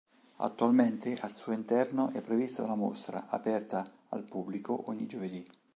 Attualmente al suo interno è prevista una mostra, aperta al pubblico ogni giovedì.